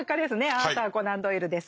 アーサー・コナン・ドイルです。